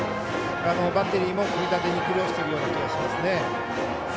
バッテリーも組み立てに苦労しているような感じがします。